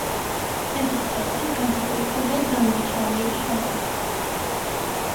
დღესასწაულებში განსაკუთრებულად გამორჩეულია შობა